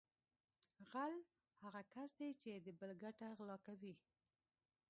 غل هغه کس دی چې د بل ګټه غلا کوي